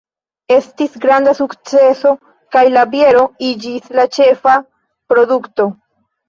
Estis granda sukceso kaj la biero iĝis la ĉefa produkto.